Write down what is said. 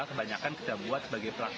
kebanyakan kita buat sebagai